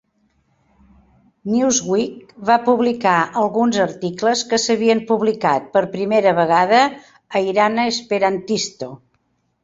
"Newsweek" va publicar alguns articles que s"havien publicat per primera vegada a "Irana Esperantisto".